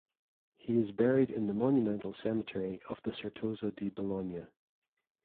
He is buried in the monumental cemetery of the Certosa di Bologna.